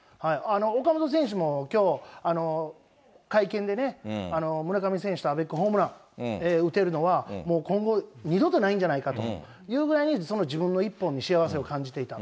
岡本選手もきょう会見でね、村上選手とアベックホームラン打てるのはもう今後、２度とないんじゃないかというぐらいの自分の一本に幸せを感じていた。